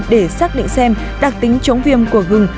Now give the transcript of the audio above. để xác định xem đặc tính chống viêm của gừng